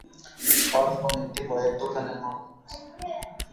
অর্পণ একটি বইয়ের দোকানের মালিক।